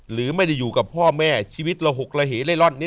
หรือไม่ได้อยู่กับพ่อแม่ชีวิตระหกระเหเล่ร่อนนี้